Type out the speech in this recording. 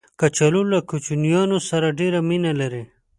کچالو له کوچنیانو سره ډېر مینه لري